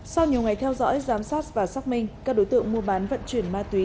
sau nhiều ngày theo dõi giám sát và xác minh các đối tượng mua bán vận chuyển ma túy